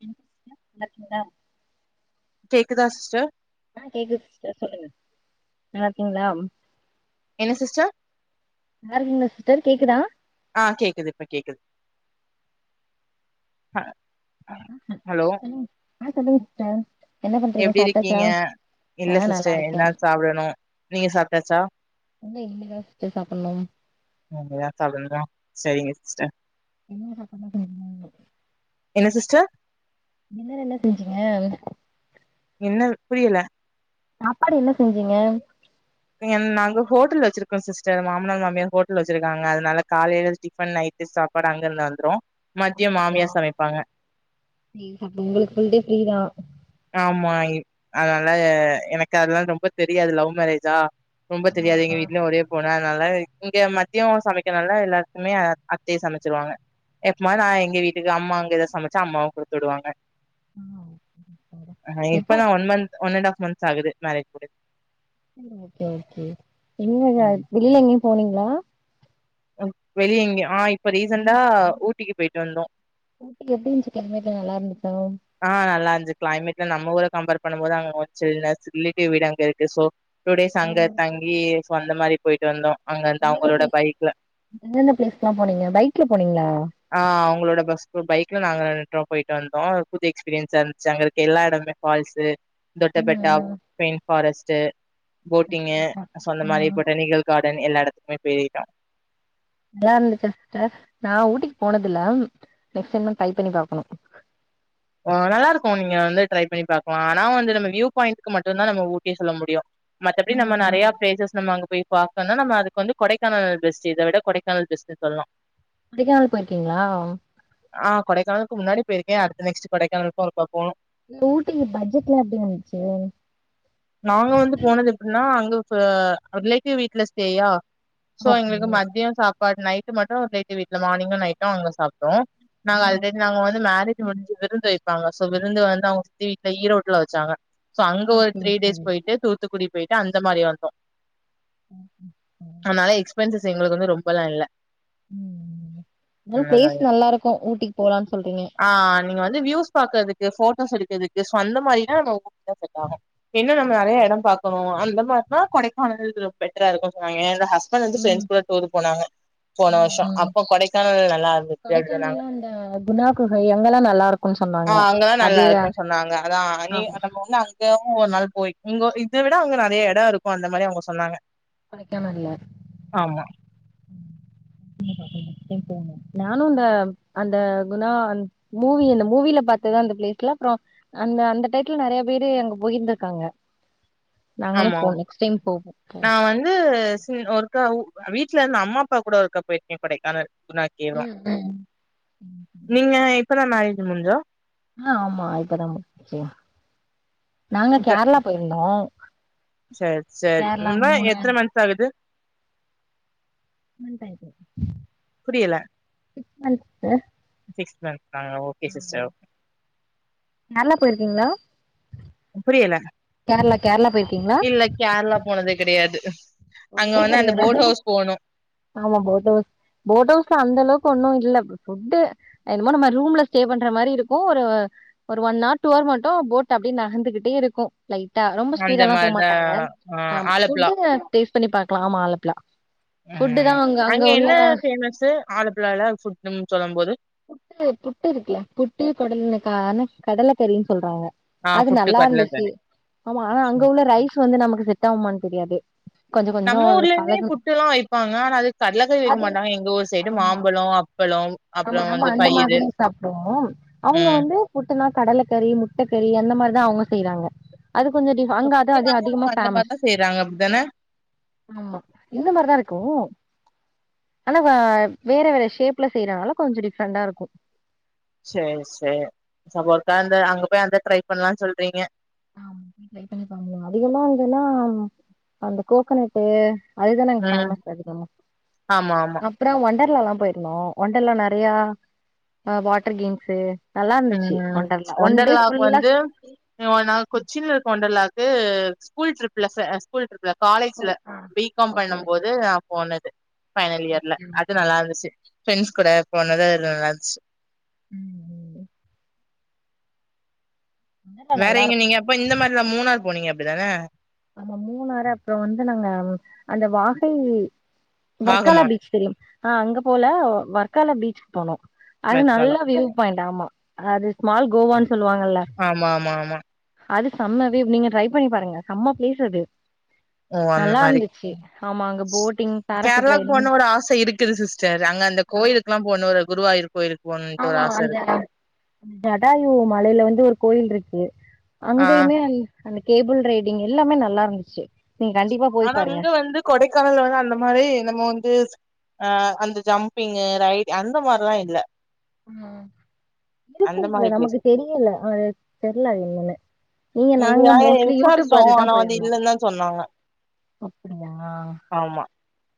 [unintelligible] நல்லா இருக்கீங்களா கேக்குதா சிஸ்டர் ஆ கேக்குது சிஸ்டர் சொல்லுங்க நல்லாகிங்லா என்ன சிஸ்டர் டர் கேக்குதா ஆ கேக்குது இப்ப கேக்குது அ ஹலோ சொல்லுங்க ஆ சொல்லுங்க சிஸ்டர் என்ன பண்றீங்க எப்பிடி சாப்ட்டாச்சா இருக்கிங்க இல்ல ஆ நல்லா சிஸ்டர் இருக்கே எல்லாரு சாப்படணு நீங்க சாப்டாச்சா ஏ இங்க இனிமேதா சிஸ்டர் சாப்புனு சேரிங்க சிஸ்டர் என்ன சாப்பலான்னு தெரியல என்ன சிஸ்டர் டின்னர் என்ன செஞ்சீங்க என்ன புரியல சாப்பாடு என்ன செஞ்சீங்க இங்கன் நாங்கோ ஹோட்டல் வச்சிருக்கோ சிஸ்டர் மாமனார் மாமியார் ஹோட்டல் வச்சிருக்காங்க அதனால காலையில டிஃபன் நைட்டு சாப்பாடு அங்க இருந்து வந்துரு மதியம் அப்பிடியா மாமியார் சமைப்பாங்க [unintelligible] உங்களுக்கு ஃபுல் டே ஃபிரிதா ப் அதனால எனக்கு அதெல்லா ரொம்ப தெரியாது லவ் மேரே ஜா ரொம்ப ஆ தெரியாது எங்க ஆ வீட்டு்யும ஒரே பொணா அதனால இங்க மத்தியோ சமைக்கனால எல்லாருக்குமே அத்தயே சமைச்சிருவாங்க எப்பமாது நா எங்க வீட்டுக்கு அம்மாங் ங்க எதா சமச்சா‌ அம்மாவு குடுத்துடுவாங்க அ ஆ, எப்போ இப்பதா one month one and half months ஆகுது நாளைக்குட ம்‌ ஓகே ஓகே [unintelligible] வெள்ல எங்யு போனீங்ளா? அ வெளிய எங்யு ஆ இப்ப ரீசண்டா ஊட்டிக்கு போயிட்டு வந்தோ ஊட்டி எப்டி இந்ச்சு கிளைமேட்லா நல்லாருந்து ஆ நல்லாந் து கிளைமேட்ல நம்ம ஊர கம்பேர் பண்ணும்போது அங்க சில்னு ரிலேடிவ் வீடு அங்க இருக்கு சோ டூ டேஸ் அங்க பரவால்ல தங்கி சோ அந்த மாரி போயிட்டு வந்தோ அங்க இருந்து எந்தெந்த அவங்களோட பிளேஸ் பைக்ல எந்தெந்த பிளேஸ்க்லா போனீங்க? பை க் ல போனீங்ளா? ஆ அவுங்களோ ட பஸ் பைக்ல நாங்க ரெண்டு பேரு போயிட்டு வந்தோ புது எஸ்பீரியன்ஸா இருந்ச்சு அங்கருக்க எல்லா எடம்மே ஃபால்ஸு ம் தொட்டபெட்டா பைன்ஃபாரஸ் ட்டு போட்டிங்கு ம் சோ அந்த மாரி ம் பொட்டானிக்கல் கார் டன் எல்லா எடத்துக்குமே போயிட்டோ நல்லாருந்துச்சா சிஸ்டர், நா ஊட்டிக்கு போனதில்ல நெக்ஸ்ட் டைம்தா ட்ரை பண்ணி பாக்கனு ஆ நல்லாருக்கு நீ வந்து ட்ரை பண்ணி பாக்லா ஆனா வந்து நம்ம வியூ பாயிண்ட்டுக்கு மட்டுந்தா நம்ம ஊட்டி சொல்ல முடியு மத்தபடி ம் நம்ம ம் நறையா பிளேசஸ் நம்ம அங்க போய் பாக்கன்னா நம்ம அதுக்கு வந்து கொடைக்கானல் பெஸ்ட்டு‌ இத விட கொடைக்கானல் பெஸ்ட்டுன் சொல்லா கொடைக்கானல் போயிருக்கீங்ளா? ஆ கொடைக்கானல்க்கு முன்னாடி போயிருக்கே அடு த்து நெக்ஸ்ட்டு கொடைக்கானலுக்கு ஒருக்கா போனு இந்த ஊட்டிக்கு பட்ஜெட்லா எப்டி வந்ச்சு? நாங்க வந்து போனது எப்புன்னா அங்க ப ரிலேட்டிவ் வீட்ல ஸ்டேயா சோ ஓகே எங்ளுக்கு மதிய சா பாடு நைட்டு மட்டு ரிலேடிவ் வீ்ட்ல மார்னிங்கு நைட்டு அங்க சாப்டோ நாங்க ஆ அல்ரெடி நாங்க வந்து மேரே ஜு முஞ்சு விருந்து வைப்பாங்க சோ விருந்து வந்து அவுங்க சித்தி வீட்ல ஈரோட்ல வச்சாங்க சோ அங்க ஒரு சேரி டேஸ் சேரி போயிட்டு தோத்துக் குடி போயிட்டு அந்த மாரி ஆட்டோ ம் எக்ஸ்பென்சஸ் எங்களுக்கு வந்து ரொம்பலா இல்ல ம் அதா பிளேஸ் நல்லா இருக்கு ஊட்டிக்கு போலான்னு சொல்றீங்க ஆ நீங்க வந்து வியூஸ் பாக்குறதுக்கு போட்டோஸ் எடுக் இதுக்கு சொந்த மாரிலா நம்ம [unintelligible] செ ஆகு இன்னு நம்ம நெறைய எட பாக்கணு அந் இந்த மாரி தா கொடைக்கானல் பெட்ரா இருக்கு சொன்னாங் [unintelligible] [unintelligible] ம் ப்ரெண்ட்ஸ் கூட டூர் போனாங்க போன ம் வருஷ ம் அப்ப கொடைக்கானல் நல்லா இருந்து சொன்னாங்க கொடைக்கானல்ல அந்த குணா குகை அங்கெல்லா நல்லா இருக்குன்னு ஆ சொன்னாங்க அங்கதா நல்லா அது இருக்கு சொன்னாங்க அதா நீ ஆமா வந்து அங்க ஓர் நாள் போய் உங்க இத விட அவங்க நெறைய எட இருக்கு அந்த மாரி அவங்க சொன்னாங்க கொடைக்கானல்ல ஆமா [unintelligible] நானு அந்த அந்த குணா மூவி இந்த மூவில பாத்ததா அந்த பிளேஸ்ல அப்பறம் அந்த அந்த டைத்துல நெறைய பேரு அங்க போயிந்திருக்காங்க நாங்களு ஆமா போம் நெக்ஸ்ட் டைம் போவோ நா வந்து ஒருக்கா ஏ வீட்ல இருந்து அம்மா அப்பா கூட ஒருக்கா போயிருக்கே கொடைக்கானல் [unintelligible] ம் ம் நீங்க இப்ப தா நாய்க்கு முஞ்சோ ஆ ஆமா இப்பதா மும் [unintelligible] நாங்க கேரளா போயிருந்தோ சேரி சேரி கேரளா உண்ம மூணு எத்தன மனஷ ஆகுது புரியல [unintelligible] தந் த சிக்ஸ் மந்த் நாங்க ஓகே சிஸ்டர் கேரளா போயிருக்கீங்களா புரியல கேரளா கேரளா போயிருக்கீங்களா இல்ல கேரளா போனது கெடையாது டஸ் [unintelligible] ஆமா போட் வொஸ் போட் வொஸ்ல அந்த அளவுக்கு ஒண்ணு இல்ல ஃபுட்டு என்னமோ நம்ம ரூம்ல ஸ்டே பண்ற மாரி இருக்கு ஒரு ஒன் ஆர் டூ ஆர் மட்டு போட் அப்டி நகந்துகிட்டே இருக்கு லைட்டா ரொம்ப அந்த ஸ்பீடா எல்லா மாரிதா போமாட்டாங்க ஆ ஃபுட்டு சர்ச் பண்ணி பாக்கலாம் ஆமா ஆலப்புழா ஃபுட்டு தா ம் அங்க உள்ள என்ன ஃபேமஸ் ஆலப்புழால்ல ஃபூட்ஸ்ன்னு சொல்லும் போது புட்டு புட்டு இருக்குல புட்டு குடல்ல க என்ன கடலை கறி சொல்றாங்க ஆ அது புட்டு, நல்லா இருந்துச்சு கடலக்கறி. ஆமா ஆனா அங்க உள்ள ரைஸ் வந்து நமக்கு செட் ஆகுமானு தெரியாது கொஞ்ச கொஞ்சோ நம்ம ஊர்லயுமே பழகு புட்டு எல்லாம் வைப்பாங்க ஆனா அது கடலக்கறி வைக்க அது மாட்டாங்க எங்க ஊர் சைடு ஆமா மாம்பழம் அப்பளம் ஆமா அப்புறம் நம்ம வந்து அந்த பயிறு. மாதிரி சாப்பிடுவோம் அவுங்க ம். வந்து புட் டுன்னா கடலைக்கறி முட்டை கறி அந்த மாதிரிதான் அவுங்க செய்யறாங்க அது கொஞ்சம் டிப் இப்ப அங்க அதான் அது புட்டுனாலே அதிகமா அவங்க அந்த மாரி ஃபேமஸ் தான் செய்றாங்க. அப்டிதானே? ஆமா இந்த மாதிரிதான் இருக்கும் ஆனா வேற வேற ஷேப்ல செய்யறாங்கள கொஞ்சம் டிஃப்ரெண்டா இருக்கும் செர் செர் சப்போர்க்கா அந்த அங்க போய் அந்த ட்ரை பண்ணலாம்னு சொல்றீங்க பண்ண அதிகமா வந்தன்னா அந்த கோக்கனட்டு அதுதான் நாங்க ம். ஃபேமஸ் பாத்துட்டு வந்தோம் ஆமா, ஆமா. அப்புறோம் ஒண்டர் லாலாம் போயிருந்தோம் ஒண்டர்லா நறையா ஆ வாட்டர் கேம்ஸு நல்லா இருந்துச்சு ம் ஒண்டர்லா ஒன் டே ஒண்டர்லாவுக்கு ஃபுல்லா வந்து நா நான் கொச்சின்யில்ல இருக்குற ஓண்டர்லா க்கு ஸ்கூல் ட்ரிப்ல ஸ்கூல் ட்ரிப்ல காலேஜ்ல ஆ பி காம் ஓகே ஓகே பண்ணும் போது நான் போனேன் பைனல் இயர்ல ஓகே அது ஓகே நல்லா இருந்துச்சு ஃப்ரெண்ட்ஸ் கூட போனது அதுல நல்லா இருந்துச்சு ம் ம் ஒண்டர்லா வேற நல்லா எங்க இருக்கு நீங்க அப்ப இந்த மாதிரி எல்லாம் மூணார் போனீங்க அப்டி தானே ஆமா மூணுாரு அப்புறோம் வந்து நாங்க அந்த வாகை வர்காலா வாகமான் பீச் தெரியும் ஆ அங்க போல வர்கால பீச்சிக்கு போனோம் அது நல்லா வர்க்காலம் வியூ பாயிண்ட் ஆமா அது ஸ்மால் கோவன்னு ஆமா ஆமா ஆமா அது செம்ம வேவ் நீங்க ட்ரை பண்ணி பாருங்க சம்ம பிளேஸ் அது ஓ அந்த நல்லா மாரி இருந்துச்சு ஆமா அங்க போட்டிங் பேராஷூட் கேரளாக்கு ரைடிங் போனோனு ஒரு ஆசை இருக்குது சிஸ்டர் அங்க அந்த கோயிலுக்கு எல்லா போன ஒரு குருவாயூர் கோயிலுக் ஆமா அந்த ஜடாயு மலையில வந்து ஒரு கோயில் இருக்கு ஆ அங்கயுமே அந்த கேபிள்ரைடிங் எல்லாமே நல்லா இருந்துச்சு நீங்க கண்டிப்பா போய் ஆனா பாருங்க அங்க வந்து கொடைக்கானல்ல வந்து அந்த மாரி நம்ம வந்து அ அந்த ஜம்பிங் ரைடிங் அந்த மாரிலா இல்ல ம் இருக்கு அந்த போல மாரி பிளேஸ் நமக்கு தெரியல அது தெர்ல என்னன்னு நீங்க நாங்க மோஸ்ட்லி யூடியூப் விசாரிச்சோ பாத்துதா ஆனா அது போயிருந்தோ இல்லனு தா சொன்னாங்க அப்படியா ஆமா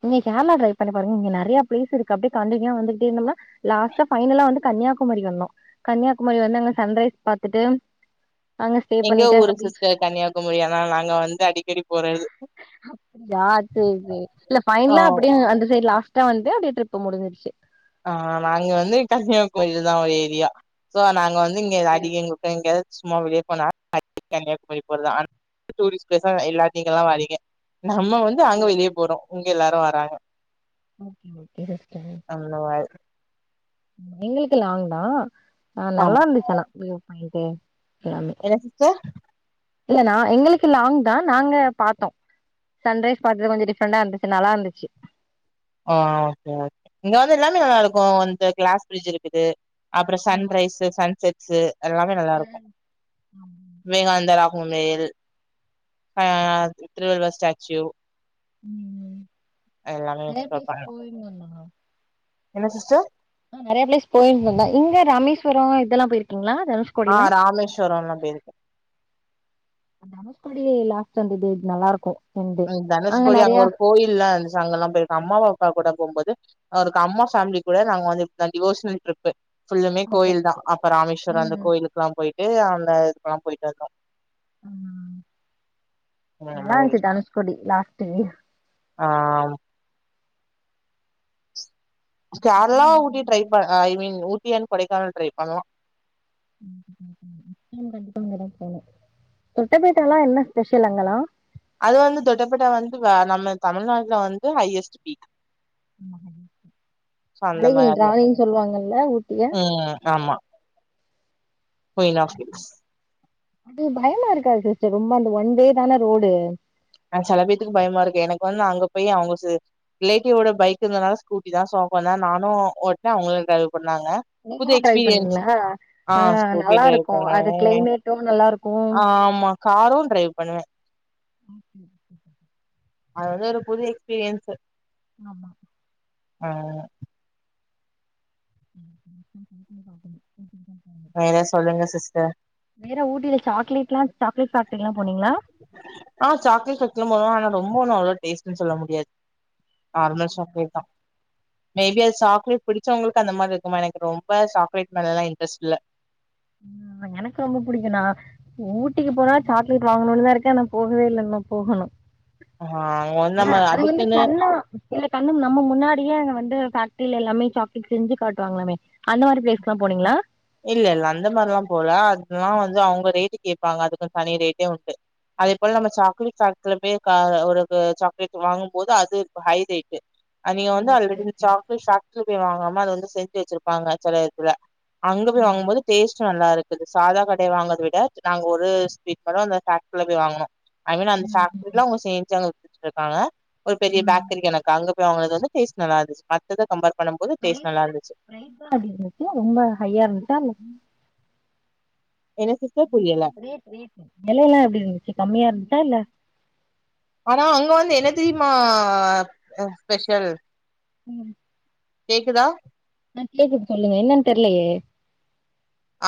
நீங்க கேரளா ட்ரைப் பண்ணி பாருங்க இங்க நிறைய பிளேஸ் இருக்கு அப்டியே கண்டின்யூவா வந்துட்டு இருந்தம்னா லாஸ்ட்டா ஃபைனலா வந்து கன்னியாகுமரி வந்தோம் கன்னியாகுமரி வந்து அங்க சன்ரைஸ் பாத்துட்டு அங்க ஸ்டே எங்க பண்ணிட்டு ஊரு அங்க பீச் சிஸ்டர் கன்னியாகுமரி ஆனா நாங்க வந்து அடிக்கடி போறது ஆ ஃபைனல்லா அப்டியே வந்து லாஸ்ட்டா வந்து அப்டியே டிரிப் முடிச்சிறுச்சு ஆ நாங்க வந்து கன்னியாகுமரி தா ஒரு ஏரியா சோ நாங்க வந்து இங்க ஓகே அடி எங்களுக்கு எங்க சும்மா வெளிய போன கன்னியாகுமரி போறது டூரிஸ்ட் பிளேஸ் எல்லா இங்க தா வாரிங்க நம்ம வந்து அங்க ஓ வெளிய போறோம் எல்லாரு வாராங்க ஓகே ஓகே சிஸ்டர் ஆ எங்களுக்கு லாங் தான் ஆ நல்லா ஆமா இருந்துச்சு‌ ஆனா ம் என்ன சிஸ்டர் இல்ல நா எங்களுக்கு லாங் தான் நாங்க பாத்தோம் சன்ரைஸ் பாத்தது கொஞ்சோம் டிஃப்ரெண்டா இருந்துச்சு நல்லா இருந்துச்சு அ ஓகே ஒகே இங்க வந்து எல்லாமே நல்லா இருக்கு வந்து கிளாஸ் பிரிட்ஜ் இருக்குது அப்றோ ஆமா சன்ரைஸ்சு சன்செட்ஸ்சு எல்லாமே நல்லா இருக்கு அதான். விவேகானந்தரா [unintelligible] அ திருவள்ளுவர் ஸ்டேச்சூ எல்லாமே என் எக்ஸ்ப்ளோர் பிளேஸ் பண்ணலா போயிடலாமா என்ன சிஸ்டர் நெறைய பிளேஸ் போயிருக்கோம் தா இங்க ராமேஸ்வரம் இதெல்லாம் போய் இருக்கீங்களா ஆ ராமேஸ்வரம்லாம் போயிருக்கேன் தனுஷ்கோடி லாஸ்ட் அந்த டே நல்லா இருக்கும் ம் தனுஷ்கோடி அங்க ஒரு கோயிலாம் அங்க எல்லா போயிருக்க அம்மாவ அப்பா கூட போகும்போது அவரு அம்மா பேமிலி கூட நாங்க வந்துன் டிவோஷனல் ட்ரிப்பு ஃபுல்லுமே ஓகே கோயில் ஓகே தான் அப்ப ராமேஸ்வரம் அந்த ம் கோயிலுக்குல்லாம் போயிட்டு ஏங்க அந்த இதுக்கெல்லாம் போயிட்டு இருக்கோம் ம் ம் நல்லா மாதிரி இருந்துச்சு தனுஷ்கோடி லாஸ்ட்டு ஆமா கேரளா லா ஊட்டி ட்ரை ப ஐ மீன் ஊட் ஊட்டி அண்ட் கொடைக்கானல் ட்ரை பண்ணலாம் [unintelligible] தெட்டப்பேட்ட எல்லா என்ன ஸ்பெஷல் அங்கலாம் அது வந்து தொட்டப்பட்ட வந்து நம்ம தமிழ்நாட்டுல வந்து ஹையஸ்ட் பீக் சோ அந்த மாரி மழையின் அதுவு ராணியின் சொல்வாங்க இல்ல ஊட்டிய போய் லாஸ்ட்மினிட் அது பயமா இருக்காது சிஸ்டர் ரொம்ப அந்த ஒன் வே தானே அந்த ரோடு அ சில பேத்துக்கு பயமா இருக்கு எனக்கு வந்து அங்க போய் அவங்க ரிலேட்டிவ்வோட பைக் இருந்தனால ஸ்கூட்டி தான் சோ நானும் ஓட்டேன் அவங்கள டிரைவ் பண்ணு நீங்களும் ட்ரைவ் பண்ணீங்களா ஆ அ ஸ்கூட்டி நல்லா டிரைவ் இருக்கும் அது பண்ணுவே கிளைமேட்டும் நல்லா இருக் ஆமா காரும் டிரைவ் பண்ணுவேன் [inaudible] அது வந்து ஒரு புது எக்ஸ்பீரியன்ஸ்சு ஆமா ஆ [unintelligible] வேற சொல்லுங்க சிஸ்டர் வேற ஊட்டில சாக்லேட்லாம் ஆ சாக்லேட் பேக்ட்ரீல போனோம் ஆனா ரொம்போ நல்ல டேஸ்ட்ன்னு சொல்ல முடியாது நார்மல் சாக்லேட்தான் மேபி அது சாக்லேட் பிடிச்சவங்களுக்கு அந்த மாரி இருக்குமா எனக்கு ரொம்ப சாக்லேட் மேல எல்லா இன்ட்ரெஸ்ட் இல்ல ம்‌ எனக்கு ரொம்ப புடிக்கு நா ஊட்டிக்கு போனா சாக்லேட் வாங்கணுன் தா இரு க்கே ஆனா போகவே இல்ல இன்னு போகனு ஆ ஆனா நம்ம அது வந்து அதுக்குன்னு கண்ணா இல்ல கண்ணும்‌ நம்ம முன்னாடியே அங்க வந்து பேக்ட்ரிலெல்லாமே சாக்லேட் செஞ்சு காட்டுவாங்ளாமே அந்த மாரி பிளேஸ்க்லா போனீங்ளா? இல்லெல்ல அந்த மார்லா போல அதுலா வந்து அவுங்க ரேட்டு கேப்பாங்க அதுக்குன் தனி ரேட்டே உண்டு அதே போல நம்ம சாக்லேட் ஃபேக்ட்ரில பேய் க ஒரு கு சாக்லேட் வாங்கும் போது அது ஹை ரேட்டு அத் நீங்க வந்து okay already okay chocolate factory பேய் வாங்காம அது வந்து செஞ்சு வச்சிருப்பாங்க செல எடத்துல அங்க போய் ம் வாங்கும் போது டேஸ்ட்டு நல்லாரு க்கு சாதா கடைல வாங்கத விட நாங்க ஒரு ஸ்வீட் மட்டு அந்த ஃபேக்ட்ரில போயி வாங்குனோ ஐ மீன் அந்த ம் ஃபேக்ட்ரில அவுங்க சேஞ்சாங்க வச்சுட்ருக்காங்க ஒரு பெரிய ம் பேக்கரி கணக்கா அங்க அவுங்கது வந்து டேஸ்ட் நல்லாருந்துச்சு மத்தத கம்பேர் பண்ணும் போது டேஸ்ட் நல்லா ப்ரைஸு இருந்துச்சு ப்ரைஸ்லா எப்டி இருந்துச்சு ரொம்ப ஹையா இருந்துச்சா இல்ல என்ன சிஸ் ரேட் ரேட்டு வெலையலா எப்டி இருந்துச்சு கம்மியா இருந்துச்சா இல்ல தெரிம்மா ஸ்பெஷல் ம் கேக்குதா ஆ கேக்குது சொல்லுங்க என்னன் தெர்லயே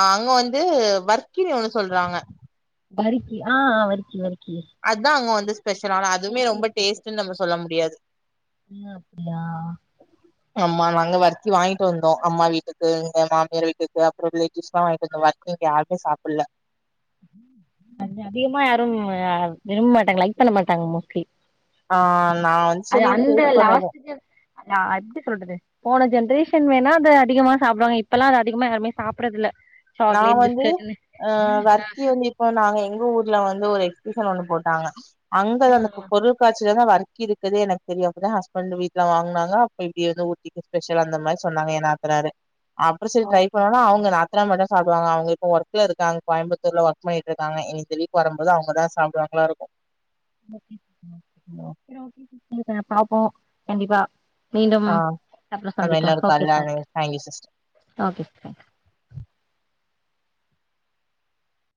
ஆ அங்க வந்து வர்க்கினு ஒன்னு சொல்றாங்க வருக்கி ஆ ஆ வர்க்கி வர்க் அதா அங்க வந்து ஸ்பெஷல் ஆனா அதுமே ஊட்டி ரொம்ப ஸ்பெஷல் டேஸ்ட்டுன் நம்ம சொல்ல முடியாது [unintelligible] அப்டியா ஆமா நாங்க வர்க்கி வாங்கிட்டு வந்தோ அம்மா வீட்டுக்கு இங்க மாமியார் வீட்டுக்கு அப்பறோ ரிலேட்டிவ்ஸ்க்லா வாங்கிட்டு வந்தோ வர்க்கி இங்க யாருமே சாப்புல்ல அத அதிகமா யாரு விரும்ப மாட்டாங்க லைக் பண்ண மாட்டாங்க மோஸ்ட்லி ஆ அ நா வந் சரி டேஸ் பண்ண அத நா எப்டி சொல்றது போன ஜென்ரேஷன் வேணா அத அதிகமா சாப்டுவாங்க இப்பல்லா அது அதிகமா யாருமே சாப்றதுல்ல நா வந்து அ வர்க்கி வந்து இப்போ நாங்க எங்க ஊர்ல வந் ந்து ஒரு எக்ஸிபிஷன் ஒன்னு போட்டாங்க அங்கதா அந்த ஆ பொருகாச்சிலதா வர இக்தி இருக்கதே எனக்கு தெரியலங்க ஹஸ்பண்ட் வீட்டுல வாங்னாங்க அப்ப இப்பிடி எதோ ஊட்டிக்கு ஸ்பெஷல் அந்த மாரி சொன்னாங்க ஏ நாத்தனாரு அப்புறோ சரி ட்ரை ஓகே பண்ணோன அவங்க சிஸ்டர் நாத்தனா மேட சாப்டுவாங்க அவுங்க இப்ப ஒர்க்ல இருகாங்க கோயம்புத்தூர்ல ஒர்க் பண்ணிட்ருகாங்க இனி இந்த வீக் வருபோது அவங்கதா சாப்டுவாங்களா இருக்கு ஓகே சிஸ்டர் ஓகே சேரி ஓகே சிஸ்டர் ஆ பாப்போ கண்டிப்பா மீண்டும் ஆ அப்பல நம்ம சந்திக்கலா இன்னொரு ஓகே கால்ல thank you thank you sister okay thank you